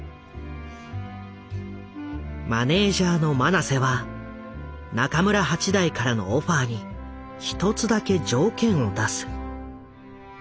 マネージャーの曲直瀬は中村八大からのオファーに１つだけ条件を出す。